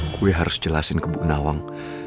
gue harus jelasin ke bu nawang